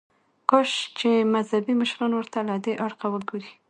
کاش چې مذهبي مشران ورته له دې اړخه وګوري.